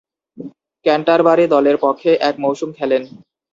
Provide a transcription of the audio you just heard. Canterbury দলের পক্ষে এক মৌসুম খেলেন।